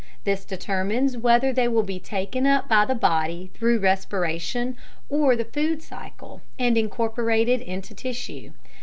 This determines whether they will be taken up by the body through respiration or the food cycle and incorporated into tissue.